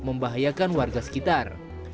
membahayakan warga sekitar